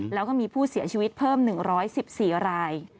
แล้วก็มีผู้เสียชีวิตเพิ่ม๑๑๔ราย